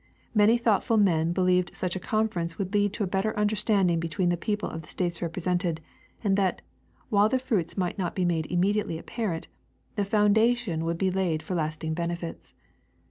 Many thoughtful men believed such a conference would lead to a better understanding between the people of the states represented, and that, while the fruits might not be made immediately apparent, the foundation would be laid for lasting benefits.